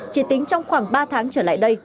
chỉ tính trong khoảng ba tháng trở lại đây